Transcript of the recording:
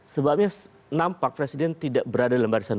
sebabnya nampak presiden tidak berada di lembar jaringan